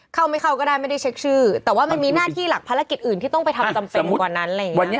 เข้าไม่เข้าก็ได้ไม่ได้เช็คชื่อแต่ว่ามันมีหน้าที่หลักภารกิจอื่นที่ต้องไปทำจำเป็นกว่านั้นอะไรอย่างนี้